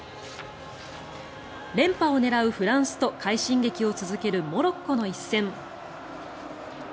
連覇を狙うフランスと快進撃を続けるモロッコの一戦。